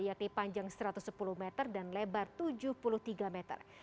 yakni panjang satu ratus sepuluh meter dan lebar tujuh puluh tiga meter